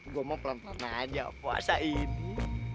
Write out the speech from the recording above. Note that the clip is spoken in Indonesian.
gue mau pelan pelan aja puasa ibu